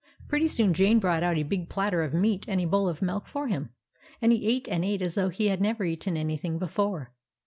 Pretty soon Jane brought out a big platter of meat and a bowl of milk for him, and he ate and ate as though he had never eaten anything before.